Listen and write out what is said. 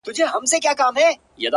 زما په مرگ دي خوشالي زاهدان هيڅ نکوي.